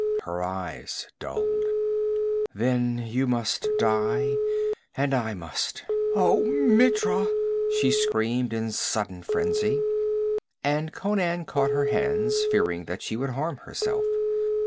Her eyes dulled. 'Then you must die, and I must oh Mitra!' she screamed in sudden frenzy, and Conan caught her hands, fearing that she would harm herself.